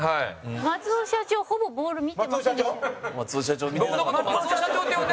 松尾社長、ほぼボール見てませんでしたよね。